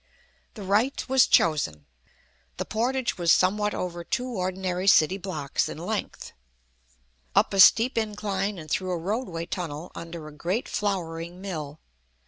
The right was chosen. The portage was somewhat over two ordinary city blocks in length, up a steep incline and through a road way tunnel under a great flouring mill.